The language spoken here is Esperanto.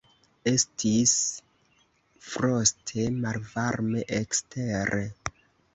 Estis froste malvarme ekstere.